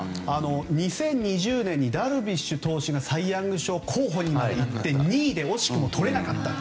２０２０年にダルビッシュ投手がサイ・ヤング賞候補にまでいって２位で惜しくもとれなかったと。